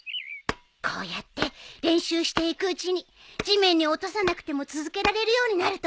こうやって練習していくうちに地面に落とさなくても続けられるようになると思うよ。